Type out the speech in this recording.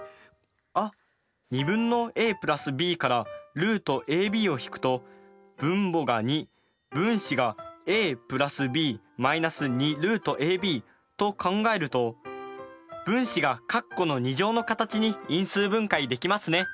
あっ２分のａ＋ｂからルートａｂを引くと分母が２分子がａ＋ｂ−２ルートａｂと考えると分子が括弧の２乗の形に因数分解できますね。